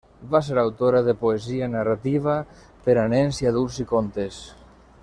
Va ser autora de poesia, narrativa per a nens i adults i contes.